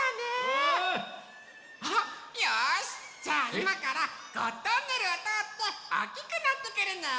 うん！あっよしじゃあいまからゴットンネルをとおっておっきくなってくるね！